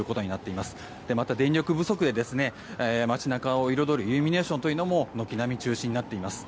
また、電力不足で街中を彩るイルミネーションも軒並み中止になっています。